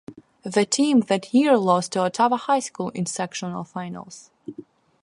The team that year lost to Ottawa High School in sectional finals.